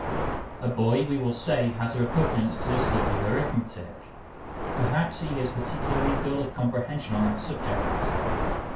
A boy, we will say, has a repugnance to the study of arithmetic. Perhaps he is particularly dull of comprehension on that subject.